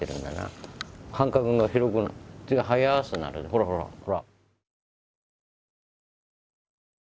ほらほらほら。